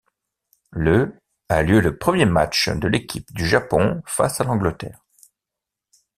Le a lieu le premier match de l'équipe du Japon face à l'Angleterre.